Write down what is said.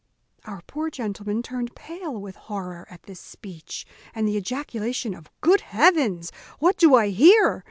Our poor gentleman turned pale with horror at this speech, and the ejaculation of "Good heavens! what do I hear?"